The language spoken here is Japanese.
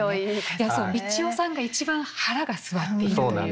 三千代さんが一番腹が据わっているというか。